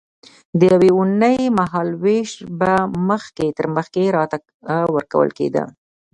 د یوې اوونۍ مهال وېش به مخکې تر مخکې راته ورکول کېده.